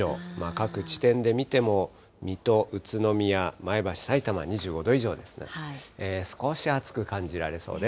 各地点で見ても、水戸、宇都宮、前橋、さいたま、２５度以上ですので、少し暑く感じられそうです。